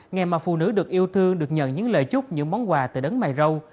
ngày mà phụ nữ được yêu thương được nhận những lời chúc những món quà từ đất mài râu